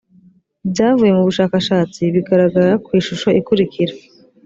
ibyavuye mu bushakashatsi bigaragara ku ishusho ikurikira: